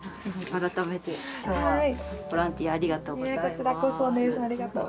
改めて今日はボランティアありがとうございます。